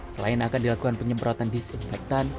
selain akan dilakukan penyemprotan disinfektan